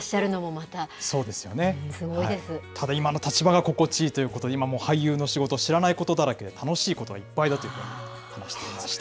ただ、今の立場が心地いいということで、今俳優の仕事、知らないことだらけ、楽しいことがいっぱいだというふうに話していました。